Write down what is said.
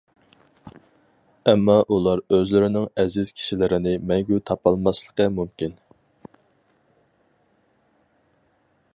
ئەمما ئۇلار ئۆزلىرىنىڭ ئەزىز كىشىلىرىنى مەڭگۈ تاپالماسلىقى مۇمكىن.